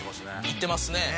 行ってますね。